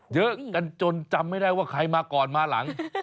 เยอะกันจนจำไม่ได้ว่าใครมาก่อนมาหลัง